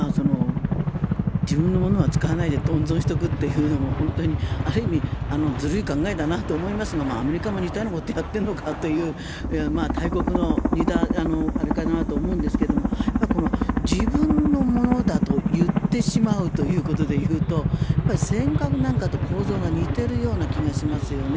自分のものは使わないで温存しておくというのも本当にある意味ずるい考えだなと思いますがアメリカも似たようなことをやっているのかという大国の似たあれかなと思うんですが自分のものだと言ってしまうということでいうと尖閣なんかと構造が似ているような気がしますよね。